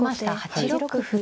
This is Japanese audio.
８六歩と。